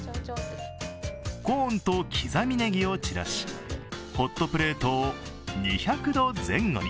コーンと刻みねぎを散らし、ホットプレートを２００度前後に。